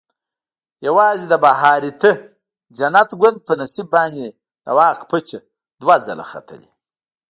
یوازې د بهاریته جنت ګوند په نصیب باندې د واک پچه دوه ځله ختلې.